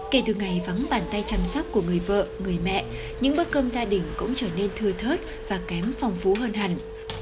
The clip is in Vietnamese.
kể từ ngày vắng bàn tay chăm sóc của người vợ người mẹ những bữa cơm gia đình cũng trở nên thưa thớt và kém phong phú hơn hẳn